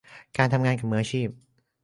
การทำงานกับมืออาชีพ